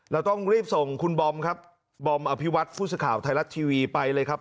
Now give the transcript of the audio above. เราต้องรีบส่งคุณบอมครับบอมอภิวัตผู้สื่อข่าวไทยรัฐทีวีไปเลยครับ